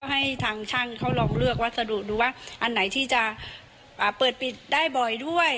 ให้ทางช่างเขาลองเลือกวัสดุดูว่าอันไหนที่จะเปิดปิดได้บ่อยด้วย